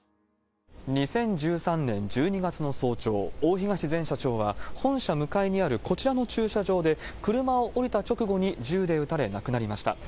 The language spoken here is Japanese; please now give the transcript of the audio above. ２０１３年１２月の早朝、大東前社長は本社向かいにあるこちらの駐車場で、車を降りた直後に銃で撃たれ、亡くなりました。